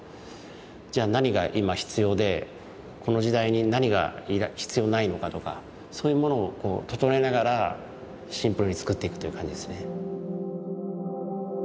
じゃあ何が今必要でこの時代に何が必要ないのかとかそういうものを整えながらシンプルに作っていくという感じですね。